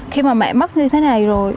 không biết như thế này rồi